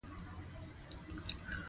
د وړو تروړه نوره هم ګرانه شوه